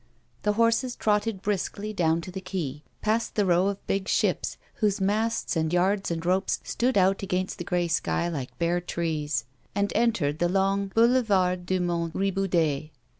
The horses trotted briskly down to the quay, passed the row of big ships, whose masts and yards and ropes stood out against the grey sky like bare trees, and entered the long Boulevard du Mont Riboudet.